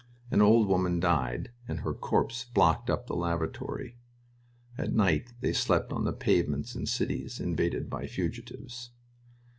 An old woman died, and her corpse blocked up the lavatory. At night they slept on the pavements in cities invaded by fugitives.